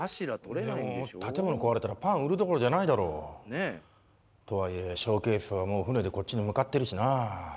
でも建物壊れたらパン売るどころじゃないだろう。とはいえショーケースはもう船でこっちに向かってるしなあ。